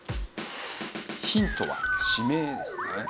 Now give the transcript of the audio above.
ヒントは地名ですね。